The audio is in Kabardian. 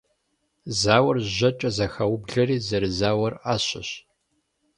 Зауэр жьэкӀэ зэхаублэри зэрызауэр Ӏэщэщ.